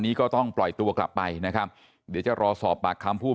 ก็ต้องปล่อยตัวกลับไปนะครับเดี๋ยวจะรอสอบปากคำผู้